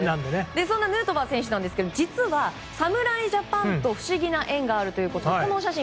そんなヌートバー選手ですが実は、侍ジャパンと不思議な縁があるということでこちらの写真。